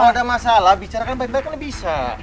kalau ada masalah bicarakan baik baik aja bisa